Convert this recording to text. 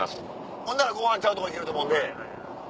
ほんならごはんちゃうとこ行けると思うんで。